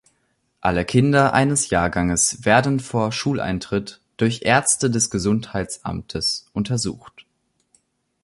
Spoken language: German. Alle Kinder eines Jahrganges werden vor Schuleintritt durch Ärzte des Gesundheitsamtes untersucht.